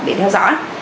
để theo dõi